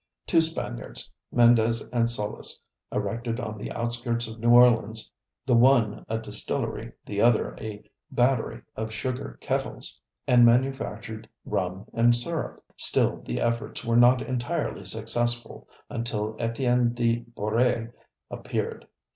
Two Spaniards, Mendez and Solis, erected on the outskirts of New Orleans, the one a distillery, the other a battery of sugar kettles, and manufactured rum and syrup. Still, the efforts were not entirely successful, until Etienne de Bor├® appeared.